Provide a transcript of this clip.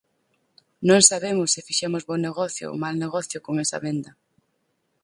Non sabemos se fixemos bo negocio ou mal negocio con esa venda.